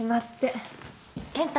健太